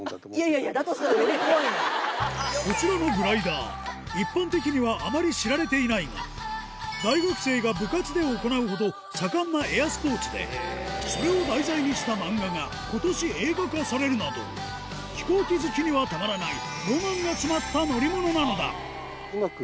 こちらのグライダー一般的にはあまり知られていないが大学生が部活で行うほど盛んなエアスポーツでそれを題材にした漫画が今年映画化されるなど飛行機好きにはたまらない